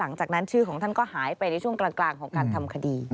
หลังจากนั้นชื่อของท่านก็หายไปในช่วงกลางของการทำคดี